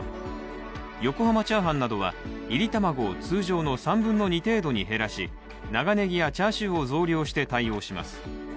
横濱チャーハンなどはいり卵を通常の３分の１程度に減らし長ねぎやチャーシューを増量して対応します。